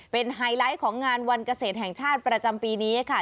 เป็นไฮไลท์ของงานวันเกษตรแห่งชาติประจำปีนี้ค่ะ